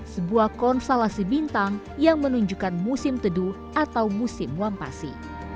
sebuah konstelasi bintang yang menunjukkan musim tedu atau musim wampasi